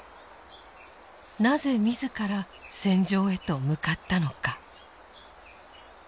なぜ自ら戦場へと向かったのか。